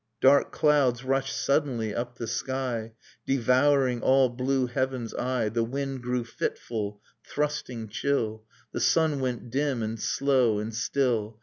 — Dark clouds rushed suddenly up the sky, Devouring all blue heaven's eye. The wind grew fitful, thrusting chill; The sun went dim; and slow and still.